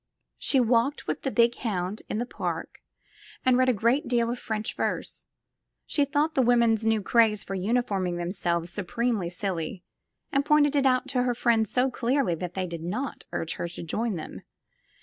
She walked with the big hound in the park and read a great deal of French verse. She thought the women's new craze for uniforming themselves supremely silly, and pointed it out to her friends so clearly that they did not urge her to join them.